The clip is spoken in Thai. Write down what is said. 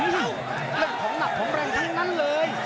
เรื่องของหนักของแรงทั้งนั้นเลย